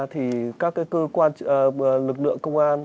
thì các cái cơ quan lực lượng công an